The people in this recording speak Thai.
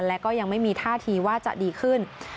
และก็ยังไม่มีท่าทีว่าจะดีขึ้น